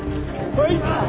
はい！